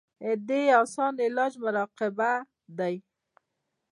د دې اسان علاج مراقبه دے -